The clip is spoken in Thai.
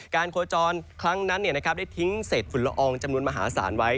โคจรครั้งนั้นได้ทิ้งเศษฝุ่นละอองจำนวนมหาศาลไว้